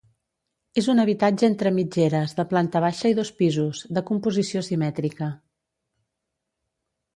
És un habitatge entre mitgeres de planta baixa i dos pisos, de composició simètrica.